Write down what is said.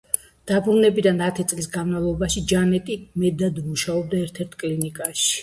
დაბრუნებიდან ათი წლის განმავლობაში ჯანეტი მედდად მუშაობდა ერთ-ერთ კლინიკაში.